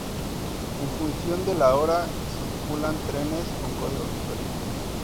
En función de la hora circulan trenes con códigos diferentes.